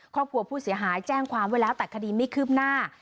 ครอบครัวผู้เสียหายแจ้งความวิราศัตริย์คดีไม่คืบหน้า